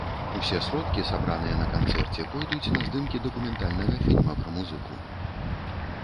Усе сродкі сабраныя на канцэрце пойдуць на здымкі дакументальнага фільма пра музыку.